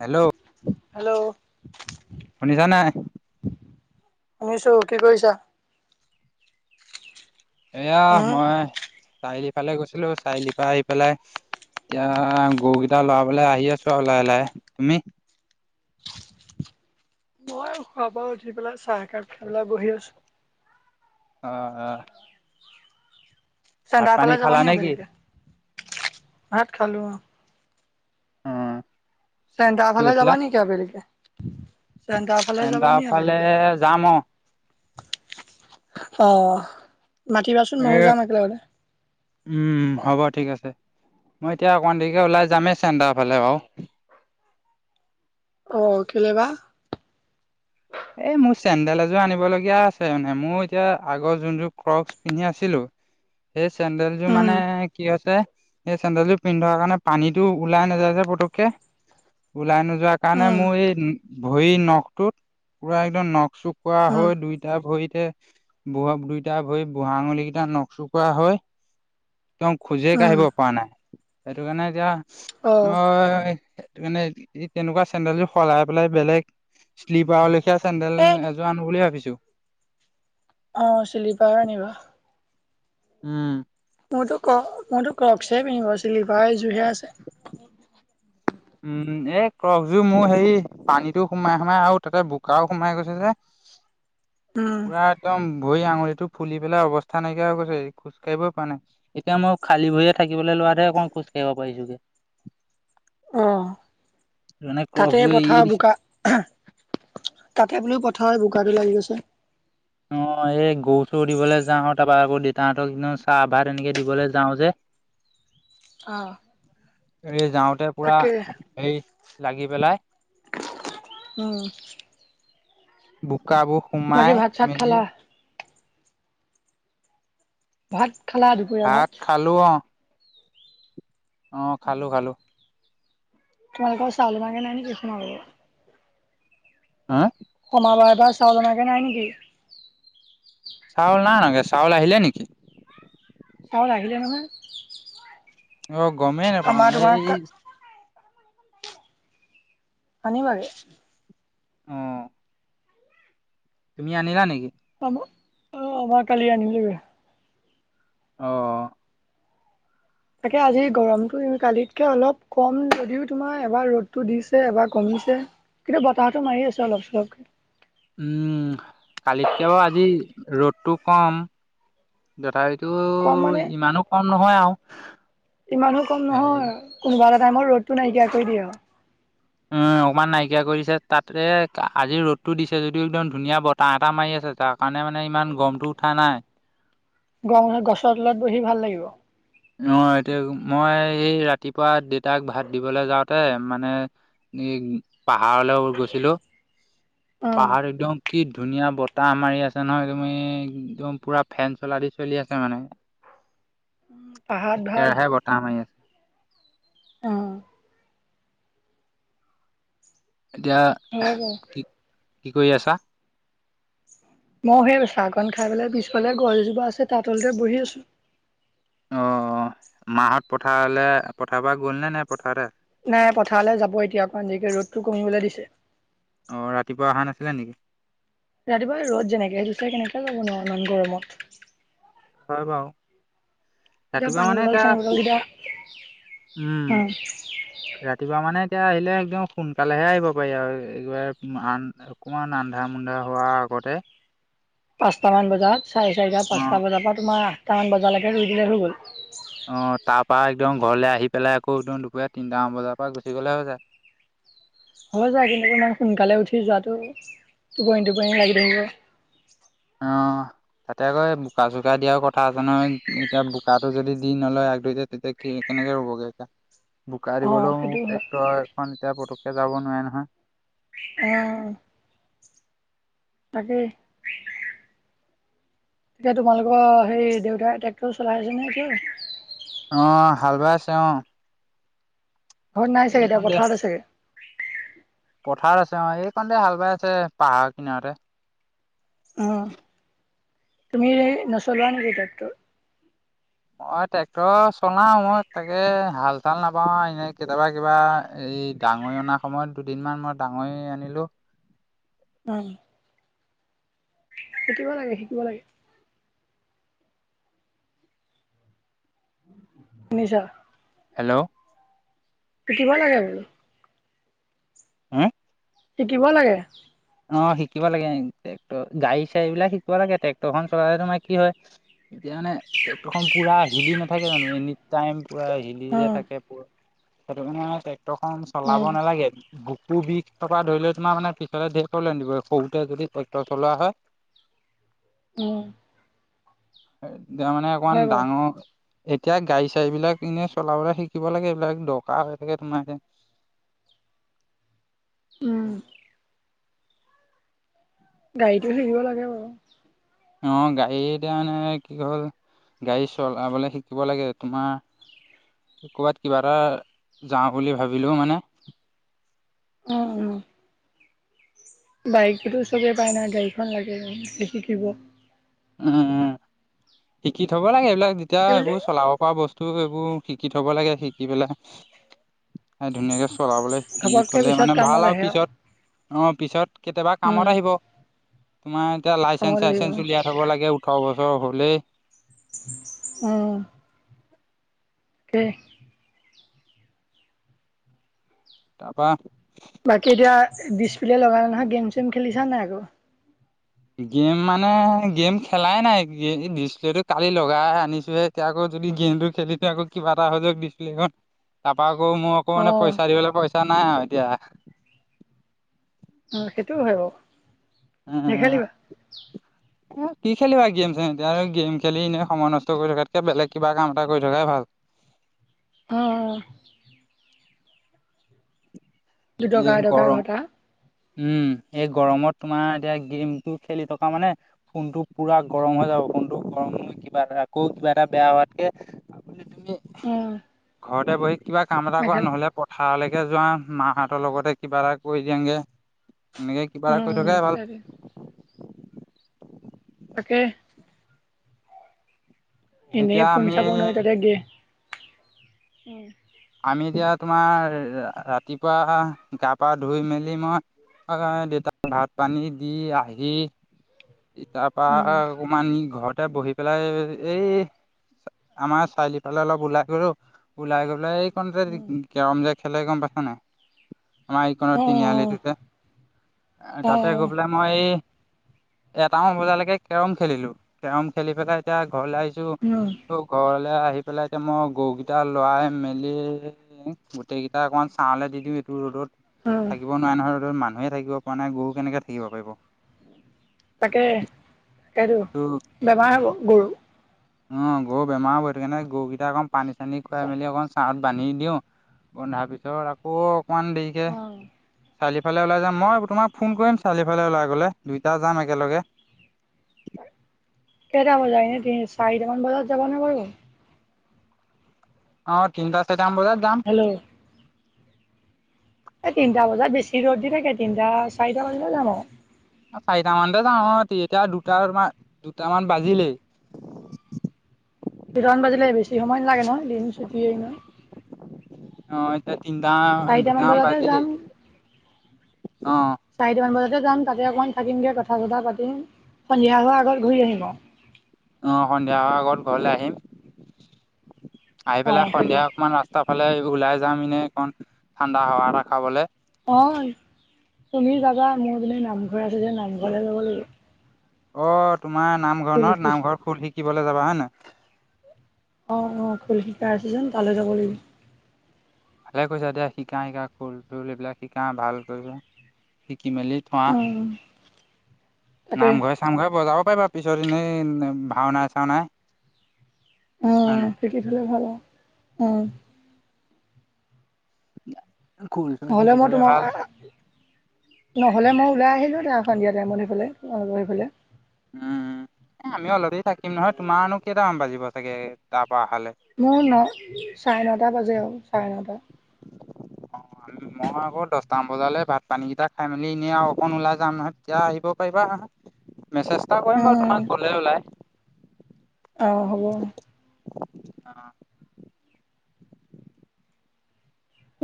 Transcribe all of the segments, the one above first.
Hello? Hello শুনিচা নাই? শুনিছো। কি কৰিছা? এয়া উম মই চাৰিআলি ফালে গৈছিলো। চাইলিপা এইফালে এতিয়া গৰুকেইটা লৰাবলে আহি আছো আৰু লাহে লাহে। তুমি? মই শুৱাৰ পৰা উঠি পেলাই চাহ একাপ খাই লই বহি আছো। অ, অহ। চেণ্টাৰ পানী ফালে যাবা খালা নি নে কি আবেলিকে? ভাত খালো অ। অ। চেণ্টাৰ কি ফালে যাবা কৈছিলা নেকি আবেলিকে? চেণ্টাৰ ফালে যাবা চেণ্টাৰ নি ফালে আবেলিকে? যাম অ অহ। মাতিবাচোন, এ ময়ো যাম একেলগতে। উম, হ'ব ঠিক আছে। মই এতিয়া অকমাণ দেইকে ওলাই যামেই চেণ্টাৰ ফালে বাৱ। অঁ, কেলেবা? এই মোৰ চেন্দেল এযোৰ আনিব লগীয়া আছে মানে। মোৰ এতিয়া আগৰ যোনযোৰ ক্ৰকচ পিন্ধি আছিলো? সেই চেন্দেলযোৰ উম মানে কি হৈছে? সেই চেন্দেলযো পিন্ধাৰ কাৰণে পানীটো ওলাই নাযায়যে পটকে। ওলাই নোযোৱা কাৰণে উম মোৰ এই ভৰি নখটোত পুৰা একদম নখ চুখ কৰা উম হয়, দুই দুটা ভৰিতে বুঢ়া দুইটা ভৰিত বুঢ়া আঙুলি কেইটা নখচকোৱা হৈ, একদম খোজেই উম কাঢ়িব পৰা নাই। সেইটো কাৰণে অ এতিয়া [unintelligible] সেই কাণে এই তেনেকুৱা চেন্দেলযো সলাই পেলাই বেলেগ শ্লিপাৰ লেখা চেন্দেল সেই এ যো আনো বুলিয়ে ভাবিছো। অ, চিলিপাৰ নিবা। উম। মোৰতো ক মইতো ক্ৰকসহে পিন্ধিব শ্লিপাৰ এযোৰ হে আছে। উম, এ ক্ৰকযোৰ মোৰ হেৰি পানীটো সোমাই সোমাই আৰু তাতে বোকাও সোমাই গৈছে যে। উম পুৰা একদম ভৰি আঙুলি টো ফুলি পেলাই অৱস্থা নাইকিয়া হৈ গৈছে। খোজ কাঢ়িবই পোৱা নাই। এতিয়া মই খালী ভৰিৰে থাকিবলে লোৱাতহে অকণ খোজ কঢ়িব পাৰিছোগে। অহ, মানে তাতে ক্ৰকযোৰ এৰিয়ে পথাৰ দিছো। বোকা। তাকে বোলো পথাৰ বোকাটো লাগি গৈছে। অ, এই গৰু চৰু দিবলৈ যাওঁ, তাপা আকৌ দেউতাহতক [unintelligible] চাহ ভাত এনেকে দিবলৈ যাওঁ যে। অ [inaudible] এই যাওঁতে পুৰা তাকে এই লাগি পেলাই। উম। বোকাবোৰ বাকী সোমাই ভাত চাত মেলি খালা ভাত খালা দুপৰীয়া ভাত? টো অ'। অঁ খালোঁ খালোঁ। তোমালোক ক চাল মাগে [unintelligible] হা'? [unintelligible] চাউল নাই অনাগে, চাউল আহিলে নেকি? চাউল আহিলে নহয়। অ' গ'মেই নেপাওঁ আমাৰ তোমাৰ এই শনিবাৰে। অঁ। তুমি আনিলা নেকি? অ' মই কালি আনিলোগে। অঁ। তাকে, আজি গৰমটো কালিতকৈ অলপ কম যদিও তোমাৰ এবাৰ ৰ'দটো দিছে এবাৰ কমিছে কিন্তু বতাহটো মাৰি আছোঁ অলপ চলপ। উম, কালিতকে বাৰু আজি ৰ'দতটো কম। তথাপিতো কম মানে ইমানো কম নহয় আৰু। ইমানো কম এই নহয়, কোনোবা এটা টাইমত ৰ'দটো নাইকিয়া কৰি দিয়ে আৰু। উম, অকমান নাইকিয়া কৰি দিছে, তাতে আজি ৰ'দতটো দিছে যদিও একদম ধুনীয়া বতৰ। তাহ এটা মাৰি আছে, তাৰ কাৰণে মানে ইমান গৰমটো উঠা নাই। গৰম দিনত গছৰ তলত বহি ভাল লাগিব? অ' এতিয়া মই এই ৰাতিপুৱা দেউতাক ভাত দিবলৈ যাওঁতে মানে পাহাৰলৈ গৈছিলো। উম পাহাৰত একদম কি ধুনীয়া বতাহ মাৰি আছে নহয় তুমি একদম পুৰা ফেন চলা দি চলি আছে মানে। পাহাৰত একেৰাহে বতাহ মাৰি আছে। অ'। এতিয়া হয় হয় [unintelligible] কি কি কৰি আছা? মই সেই চাহকন খাই পেলাই পিছফালে গছজোপা আছে তাত তলতে বহি আছো। অ' মাহত পথাৰলে পথাৰ পৰা গ'ল নে, নে পথাৰতে আছে? নাই পথাৰলৈ যাব এতিয়া অকমাণ দেৰিকে, ৰ'দতটো কমিবলৈ দিছে। অ' ৰাতিপুৱা অহা নাছিলে নেকি? ৰাতিপুৱা ৰ'দ যেনেকেহে দিছে কেনেকে যাবনো ইমান গৰমত? হয় বাৰু। এতিয়া ৰাতিপুৱা পানী মানে বটল চানী এতিয়া, বটল কেইটা উম- ৰাতিপুৱা মানে এতিয়া আহিলে একদম সোনকালেহে আহিব পাৰি আৰু। একবাৰে আন অকমান আন্ধাৰ মুন্ধাৰ হোৱাৰ আগতে পাঁচটামান বাজাত চাৰে চাৰিটা অ' পাঁচটা বজাৰ পৰা তোমাৰ আঠটামান বজালৈকে ৰুই দিলে হৈ গ'ল। অ' তাৰ পৰা একদম ঘৰলে আহি পেলাই আকৌ একদম দুপৰীয়া তিনটামান বজাৰ পৰা গুচি গ'লে হৈ যায়। হ'ব যা, কিন্তু ইমান সোনকালে উঠি যোৱাটো টোপনি টোপনি লাগি থাকিব। অ'। তাতে আকৌ বোকা চোকা দিয়াৰ কথা আছে নহয়, এতিয়া বোকা যদি দি নলয় এক দুইতে তেতিয়া কি কেনেকে ৰু'বগে এতিয়া। বোকা অ দিবলৈও সেইটো হয় ট্ৰেক্টৰ এখন এতিয়া পুতুকে যাব নোৱাৰে নহয়। উম। তাকেই। এতিয়া তোমালোকৰ সেই দেউতাই ট্ৰেক্টৰ চলাই আছে নে [unintelligible] অ', হাল বাই আছে অ'। ঘৰত নাই চাগে এতিয়া, পথাৰতে চাগে। পথাৰ আছে অ', এই কাৰণতে হাল বাই আছে পাহাৰ কিনাৰতে। অ', তুমি নচলোৱা নেকি ট্ৰেক্টৰ? মই ট্ৰেক্টৰ চলাওঁ মই তাকে হাল ভাল নাপাওঁ, এনেই কেতিয়াবা কিবা এই ডাঙৰি অনাৰ সময়ত দুদিনমান মই ডাঙৰি আনিলোঁ। হয়। শিকিব লাগে, শিকিব লাগে। শুনিছা! হেল্ল'! শিকিব লাগে বোলো। হা'? শিকিব লাগে। অ', শিকিব লাগে ট্ৰেক্টৰ, গাড়ী চাৰিবিলাক শিকিব লাগে। ট্ৰেক্টৰখন চলালে তোমাৰ কি হয়! এতিয়া মানে ট্ৰেক্টৰ পুৰা হিলি নাথাকে জানো, এনিটাইম পুৰা হিলি উম, থাকে পুৰা। সেইটো মানে ট্ৰেক্টৰ খন চলাব উম, নালাগে বুকুবিষ পৰা ধৰি ধৰি লৈ তোমাৰ মানে পিছ চলে [unintelligible] সৰুতে যদি ট্ৰেক্টৰ চলোৱা হয়। উম। তেতিয়া মানে অকমান হয় বাৰু ডাঙৰ এতিয়া গাড়ী- চাড়ীবিলাক এনে চলাবলৈ শিকিব লাগে, এইবিলাক দৰকাৰ হৈ থাকে তোমাৰ। উম। গাড়ীটো শিকিব লাগে বাৰু। অ', গাড়ী এতিয়া মানে কি হ'ল গাড়ী চলাবলৈ শিকিব লাগে, তোমাৰ ক'ৰবাত কিবা এটা যাওঁ বুলি ভাবিলেও মানে উম। বাইকতো চবে পাৰে না, গাড়ীখন লাগে শিকিব। উম, উম, শিকি থ'ব লাগে এইবিলাক যেতিয়া সেইবুলি সেইবোৰ চলাব পৰা বস্তু টো এইবোৰ শিকি থ'ব লাগে, শিকি পেলাই ধুনীয়াকে চলাবলৈ শিকি ঘপককে থ'লে পিছত মানে ভাল কামত আৰু আহে পিছত, অ', পিছত কেতিয়াবা উম, কামত আহিব। তোমাৰ এতিয়া লাইচেন্ঞ্চ, কামত আহিব চাইচেন্ঞ্চ উলিয়াই থ'ব লাগে ওঠৰ বছৰ হ'লেই। উম। তাকেই। তাৰপা বাকী এতিয়া ডিছপ্লে লগালা নহয়, গেম চেম খেলিছা নাই আকৌ? গেম মানে গেম খেলাই নাই, ডিচপ্লেটো কালি লগাই আনিছোঁ হে। এতিয়া আকৌ যদি গেমটো খেলি দিওঁ আকৌ কিবা এটা হৈ যাওঁক ডিছপ্লেখন, তাৰপা আকৌ মই আকৌ মানে অ', পইচা দিবলৈ পইচা নাই আৰু এতিয়া। উম, সেইটোও হয়, বাৰু। উম, নেখেলিবা এ, কি খেলিবা গেম-চেম এতিয়া আৰু গেম খেলি এনেই সময় নষ্ট কৰি থকাতকে, বেলেগ কিবা কাম এটা কৰি থকাই ভাল। অ, অ, দুটকা যিহে এটকা গৰম। ঘটা উম, এই গৰমত তোমাৰ, এতিয়া গেমটো খেলি থকা মানে ফোনটো পুৰা গৰম হৈ যাব, ফোনটো গৰম কিবা এটা আকৌ কিবা এটা বেয়া হোৱাতকে। আপুনি, উম। [inaudible] ঘৰতে বহি কিবা কাম এটা কৰা, মেখেলা নহ'লে। পথাৰলৈকে যোৱা। মাহঁতৰ লগতে কিবা এটা কৰি দিয়াগে। এনেকে কিবা এটা কৰি উম থকাই ভাল। তাকে তাকে। এনেই এতিয়া ফোন, আমি চাব নোৱাৰি তাতে। গেম, আমি এতিয়া তোমাৰ, ৰাতিপুৱা গা, পা, ধুই মেলি মই। অ, দেউতাক ভাত পানী দি আহি। এইঠাইৰ পৰা উম অকমান ঘৰতে বহি পেলাই, এই আমাৰ চাৰিআলিফালে অলপ ওলাই গলো। ওলাই গৈ পালে। উম [inaudible] কেৰম যে, খেলে গম পাইছা নাই? আমাৰ উম অ এইকনৰ তিনিআলিটোতে যে, অ অ তাতে গৈ পেলাই। মই এটামান বজালৈকে কেৰম খেলিলো। কেৰম, খেলি পেলাই এতিয়া ঘৰলৈ আহিছো। উম ত, ঘৰলৈ আহি পেলাই, এতিয়া মই গৰুকেইটা লৰাই মেলি গোটেই, কেইটা অকমান চাহলে দি দিওঁ, এইটো ৰ'দত। উম থাকিব নোৱাৰে নহয়, মানুহে থাকিব পৰা নাই, গৰু কেনেকে থাকিব পাৰিব। তাকে, এইটো, বেমাৰ গৰু উম, গৰু বেমাৰ হৈ সেইকাৰণে গৰুকেইটা অকণ পানী চানী খুৱাই মেলি, অকণ চাত বান্ধি দিওঁ। বন্ধাৰ পিছত আকৌ, অকমান দেৰিকে। অ চাৰিআলিফালে ওলাই যাম। মই তোমাক ফোন কৰিম চাৰিআলি ফালে ওলাই গ'লে, দুইটা যাম একেলগে। কেইটা বজাত, তিনি চাৰিটামান বজাত যাব নে, বাৰু? অ, তিনিটা, চাৰিটা বজাত যাম। উম, এই তিনিটা বজাত বেছি ৰ'দ দি থাকে। তিনিটা চাৰিটা বজাতে যাম আৰু। চাৰিটা মানতে যাওঁ। অ, এতিয়া দুটা- দুটামান, বাজিলেই। দুটান বাজিলে বেছি সময় নালাগে ন, দিন চুটিয়েই এনেও। অ, এতিয়া তিনিটা, চাৰিটামান দুটা বজাতে বাজিলে। যাম অ, চাৰিটামান বজাতে যাম, তাতে অকণমান থাকিমগে কথা- চথা পাতিম। সন্ধিয়া হোৱা আগত ঘূৰি আহিব। অ, সন্ধিয়া আগত ঘৰলে আহিম। আহি অ পেলাই সেইটোৱে সন্ধিয়া অকমান ৰাস্তা ৰাস্তাৰফালে ওলাই যাম। এনে অকন ঠাণ্ডা হাৱা খাবলৈ। অ, তুমি যাবা, মোৰ বোলে নামঘৰ আছে যে, নামঘৰলে যাব লাগিব। অ, তোমাৰ নামঘৰ খোল ন? শিক নামঘৰ খোল শিকিবলৈ যাবা, হয় নে নাই। অ, অ, খোল শিকাই আছে যে, তালৈ যাব লাগিব। ভালে কৰিছা দিয়া। শিকা-শিকা খোল-সুল এইবিলাক শিকা ভাল কৰিছ। শিকি মেলি অ, তাকে নাম ঘোৰাই নামঘৰত বজাবও পাৰিবা। পিছত এনেই ভাওনা- চাওনাই, হয় নাই। [inaudible] উম, খোলটো নহ'লে শিকি মই থলে, তোমাৰ ভাল। নহ'লে মই ওলাই আহিলোঁ হয়। তাৰ সন্ধিয়া টাইমত সিফালে, তোমালোকৰ সিফালে। উম আমিও অলৰেডি থাকিম নহয়। তোমাৰনো কেইটামান বাজিব চাগে তাৰ পৰা অহালে? মোৰ ন', চাৰে ন'টা বাজে আৰু, চাৰে ন'টা। [unintelligible] মই আকৌ দহটামান বজালৈ ভাত-পানী কেইটা খাই মেলি এনেই আৰু অকণ ওলাই যাম নহয় তেতিয়া আহিব পাৰিবা। মেছেজটা অ কৰিম বাৰু তোমাক গ'লে ওলাই। অ হ'ব। অ।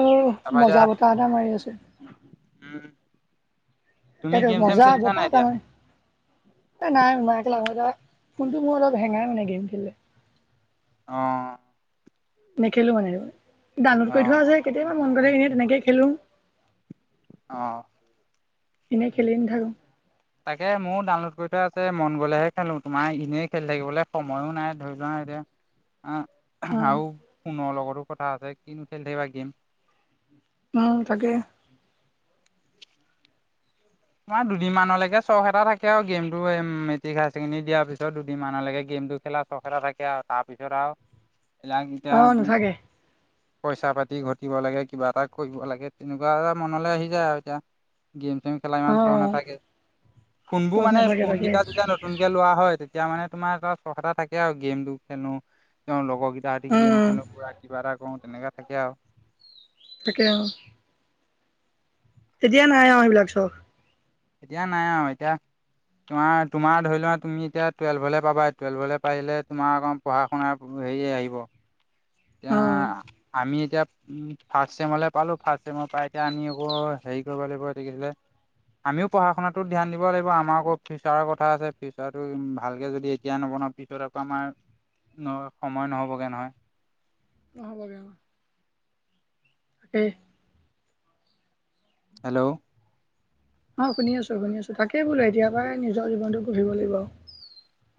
ও তাৰপা এতিয়া মজা বতাহ এটা মাৰি আছে। উম। তুমি গেম চেম খেলিছা নাই এতিয়া? [unintelligible] নাই খেলং নাই, ফোনটো মোৰ অলপ হেঙাই মানে গেম খেলিলে। অ। নেখেলো মানে। ডাউনলোড অ কৈ থোৱা আছে কেতিয়াবা মন গ'লে এনেই তেনেকে খেলেং। অ। এনেই খেলি নাথাকো। তাকে ময়ও ডাউনলোড কৰি থৈ আছে মন গ'লেহে খেলো, তোমাৰ এনেই খেলি থাকিবলৈ সময়ো নাই ধৰি লোৱা এতিয়া অ উম আৰু ফোনৰ লগতো কথা আছে কিনো খেলি থাকিবা গেম। উম তাকে। আমাৰ দুদিনমানলৈকে চখ এটা থাকে আৰু গেম মেট্ৰিক হায়াৰ ছেকেডৰী দিয়াৰ পিছত দুদিনমানলৈকে গেমটো খেলা চখ থাকে আৰু তাৰ পিছত অ আৰু [unintelligible] নাথাকে পইচা পাতি ঘটিব লাগে, কিবা এটা কৰিব লাগে, তেনেকুৱা এটা মনলৈ আহি যায় আৰু এতিয়া। গেম-চেম খেলা অ ইমান চখ নাথাকে। ফোনবোৰ চখ মানে নাথাকে তাকে ফোনকেইটা যেতিয়া নতুন নতুনকে লোৱা হয়, তেতিয়া মানে তোমাৰ এটা চখ এটা থাকে আৰু গেমটো খেলোঁ তেওঁ লগৰ গোটা ৰাতি গেম উম খেলো, পুৰা কিবা এটা কৰোঁ তেনেকা থাকে আৰু। তাকে অ। তেতিয়া নাই আৰু সেইবিলাক চখ। এতিয়া নাই আৰু এতিয়া তোমাৰ-তোমাৰ ধৰি লোৱা তুমি এতিয়া টুৱেলভলৈ পাবা টুৱেলভলে পাৰিলে তোমাৰ অকৌ পঢ়া-শুনাৰ হেৰিয়ে আহিব। এতিয়া অ আমি এতিয়া উম ফাৰ্ষ্ট চেমলে পালো ফাৰ্ষ্ট চেমৰ পাই এতিয়া আমি আকৌ হেৰি কৰিব লাগিব এইটো কি আছিলে। আমিও পঢ়া শুনাতোত ধ্যান দিব লাগিব, আমাৰ আকৌ ফিউচাৰৰ কথা আছে। ফিউচাৰটো ভালকে যদি এতিয়া নবনাওঁ পিছত আকৌ আমাৰ সময় নহ'বগে নহয়। নহ'বগৈ অ। [inaudible] হেল্ল' অ শুনি আছোঁ, শুনি আছোঁ। তাকেই বোলো এতিয় পৰাই নিজৰ জীৱনটো গহিব লাগিব আৰু।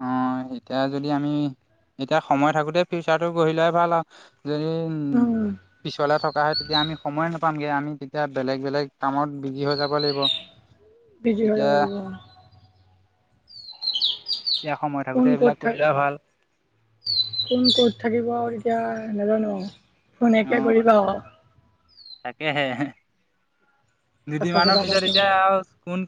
অ এতিয়া যদি আমি এতিয়া সময় থাকোঁতে ফিউচাৰটো গঢ়িলে ভাল আৰু যদি উম পিছলে থকা হয় তেতিয়া আমি সময়ে নাপামগৈ, আমি তেতিয়া বেলেগ বেলেগ কামত বিজি হৈ যাব লাগিব। [inaudible] বিজি হয় এতিয়া যাব লাগিব। এতিয়া সময় কোন থাকোঁতে ক'ত এইবিলাক থাক কৰি লোৱা ভাল। কোন ক'ত থাকিব তেতিয়া নাজানো আৰু ফোনকে অঁ কৰিবা আও। তাকেহে, দুদিন কথা মানৰ চথা পিছত পাতিম এতিয়া আৰু কোন